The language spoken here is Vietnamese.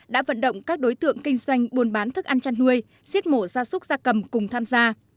đã vận động các đối tượng kinh doanh buôn bán thức ăn chăn nuôi giết mổ gia súc gia cầm cùng tham gia